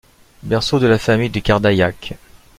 Berceau de la famille de Cardaillac.